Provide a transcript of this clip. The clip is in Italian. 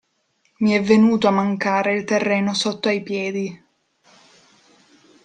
Mi è venuto a mancare il terreno sotto ai piedi.